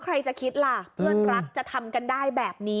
ใครจะคิดล่ะเพื่อนรักจะทำกันได้แบบนี้